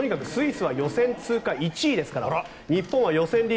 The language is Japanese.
スイスは予選通過１位ですから日本は予選